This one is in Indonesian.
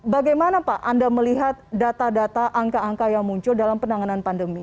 bagaimana pak anda melihat data data angka angka yang muncul dalam penanganan pandemi